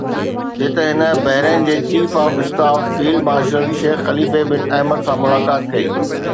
جتي هن بحرين جي chief of staff field marshal Sheikh Khalifa bin Ahmed سان ملاقات ڪئي